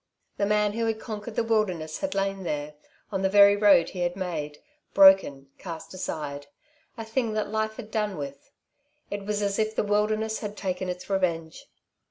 The man who had conquered the wilderness had lain there, on the very road he had made, broken, cast aside a thing that life had done with. It was as if the wilderness had taken its revenge.